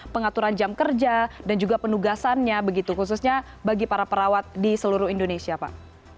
pengaturan jam kerja dan juga penugasannya begitu khususnya bagi para perawat di seluruh indonesia pak